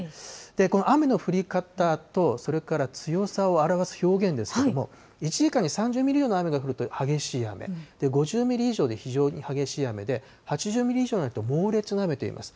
この雨の降り方と、それから強さを表す表現ですけれども、１時間に３０ミリ以上の雨が降ると激しい雨、で、５０ミリ以上で非常に激しい雨で、８０ミリ以上になると猛烈な雨といいます。